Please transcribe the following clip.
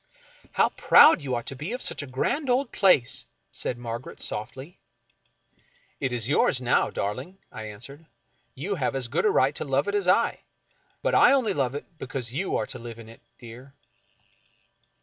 " How proud you ought to be of such a grand old place !" said Margaret, softly. " It is yours now, darling," I answered. " You have as good a right to love it as I — but I only love it because you are to live in it, dear."